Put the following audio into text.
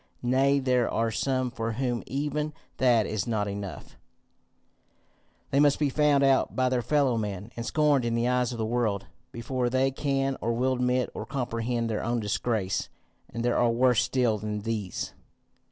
Nay there are some for whom even that is not enough; they must be found out by their fellow men, and scorned in the eyes of the world, before they can or will admit or comprehend their own disgrace. And there are worse still than these.